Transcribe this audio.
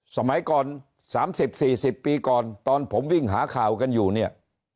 สมัยก่อน๓๐๔๐ปีก่อนตอนผมวิ่งหาข่าวกันอยู่เนี่ย